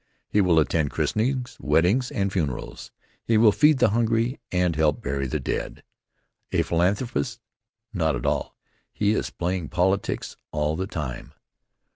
He will attend christenings, weddings, and funerals. He will feed the hungry and help bury the dead. A philanthropist? Not at all He is playing politics all the time.